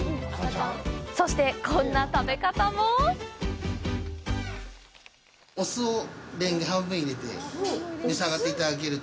そして、こんな食べ方もお酢をレンゲに半分入れて召し上がっていただけると。